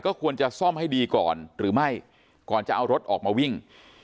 ควรจะซ่อมให้ดีก่อนหรือไม่ก่อนจะเอารถออกมาวิ่ง